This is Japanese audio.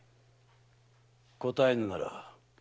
答えぬなら。